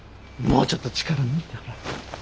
もうちょっと力抜いたら。